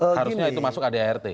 harusnya itu masuk adart